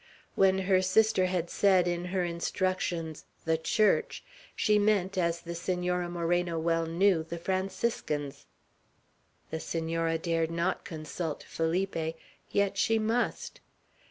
When her sister had said, in her instructions, "the Church," she meant, as the Senora Moreno well knew, the Franciscans. The Senora dared not consult Felipe; yet she must.